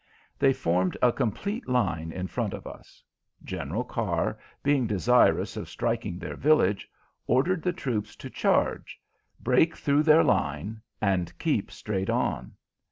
They formed a complete line in front of us. General Carr, being desirous of striking their village, ordered the troops to charge, break through their line, and keep straight on.